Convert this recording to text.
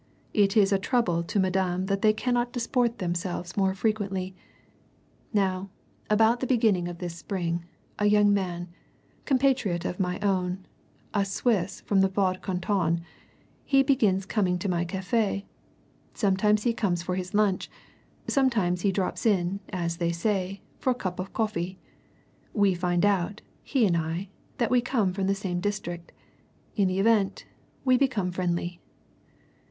It is a trouble to Madame that they cannot disport themselves more frequently. Now, about the beginning of this spring, a young man compatriot of my own a Swiss from the Vaud canton he begins coming to my cafe. Sometimes he comes for his lunch sometimes he drops in, as they say, for a cup of coffee. We find out, he and I, that we come from the same district. In the event, we become friendly."